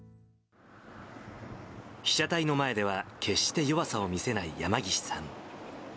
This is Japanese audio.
被写体の前では決して弱さを見せない山岸さん。